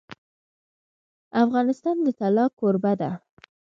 افغانستان د طلا کوربه دی.